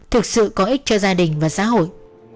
thực sự có ích cho gia đình và xã hội